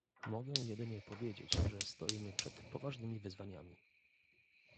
Mogę jedynie powiedzieć, że stoimy przed poważnymi wyzwaniami